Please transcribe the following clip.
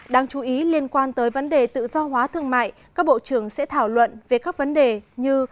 đáng chú ý liên quan tới vấn đề tự do hóa thương mại các bộ trưởng sẽ thảo luận về các vấn đề như